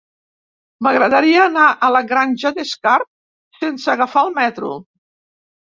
M'agradaria anar a la Granja d'Escarp sense agafar el metro.